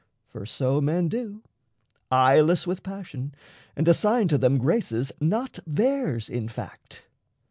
For so men do, Eyeless with passion, and assign to them Graces not theirs in fact.